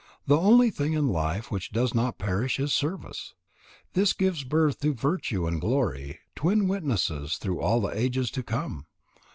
The only thing in life which does not perish is service. This gives birth to virtue and glory, twin witnesses through all the ages to come.